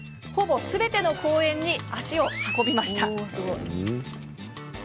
ほぼ、すべての公演に足を運びました。